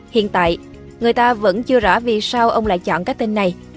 hiện tại người ta vẫn chưa rõ vì sao ông lại chọn cái tên này